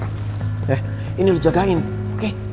ya ini lo jagain oke